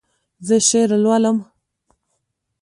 زه شعر لولم